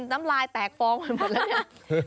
น้ำลายแตกฟองปกลง